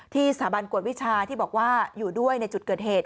สถาบันกวดวิชาที่บอกว่าอยู่ด้วยในจุดเกิดเหตุ